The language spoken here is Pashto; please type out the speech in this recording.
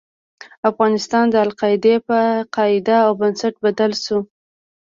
افغانستان د القاعدې په قاعده او بنسټ بدل شو.